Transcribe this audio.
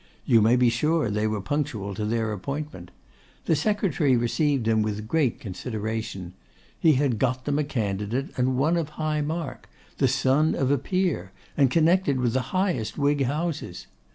You may be sure they were punctual to their appointment. The secretary received them with great consideration. He had got them a candidate, and one of high mark, the son of a Peer, and connected with the highest Whig houses.